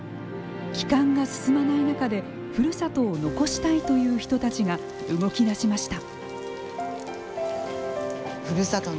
帰還が進まない中で、ふるさとを残したいという人たちが動き出しました。